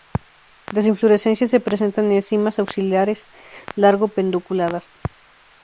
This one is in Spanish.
Las inflorescencias se presentan en cimas axilares, largo pedunculadas.